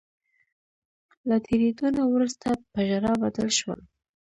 له ډیریدو نه وروسته په ژړا بدل شول.